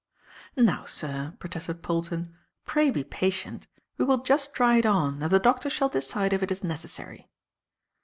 "Now, sir," protested Polton, "pray be patient. We will just try it on, and the Doctor shall decide if it is necessary."